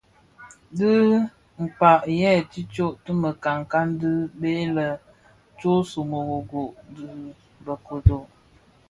A dhikpää, yè tishyō ti mekankan ti bë lè Ntsomorogo dhi bë ködő.